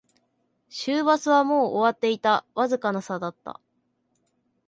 終バスはもう終わっていた、わずかな差だった